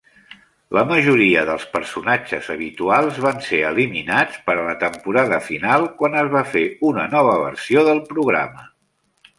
La majoria dels personatges habituals van ser eliminats per a la temporada final, quan es va fer una nova versió del programa.